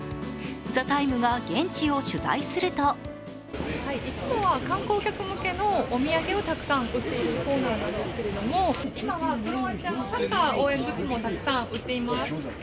「ＴＨＥＴＩＭＥ，」が現地を取材するといつもは観光客向けのお土産をたくさん売ってるコーナーですが今はクロアチアのサッカー応援グッズもたくさん売っています。